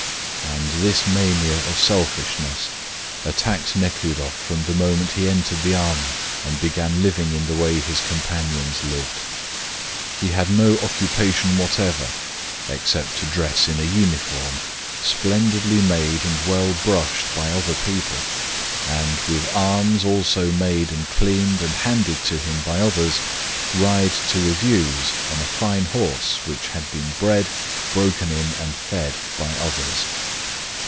And this mania of selfishness attacked Nekhludoff from the moment he entered the army and began living in the way his companions lived. He had no occupation whatever except to dress in a uniform, splendidly made and well brushed by other people, and, with arms also made and cleaned and handed to him by others, ride to reviews on a fine horse which had been bred, broken in and fed by others.